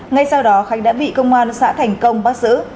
ngay sau đó khánh đã bị công an xã thành công bắt giữ